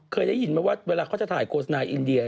เคยได้ยินไหมว่าเวลาเขาจะถ่ายโฆษณาอินเดีย